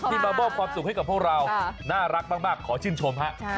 มามอบความสุขให้กับพวกเราน่ารักมากขอชื่นชมฮะ